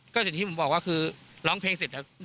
ก็ถึงที่ผมบอกว่าคือร้องเพลงเสร็จแล้ว